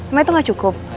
emang itu gak cukup